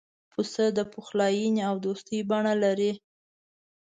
پسه د پخلاینې او دوستی بڼه لري.